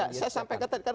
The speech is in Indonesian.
ya saya sampai katakan